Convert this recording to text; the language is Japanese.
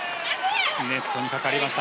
ネットにかかりました。